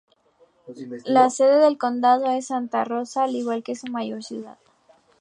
La sede del condado es Santa Rosa, al igual que su mayor ciudad.